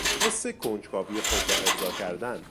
حس کنجکاوی خود را ارضا کردن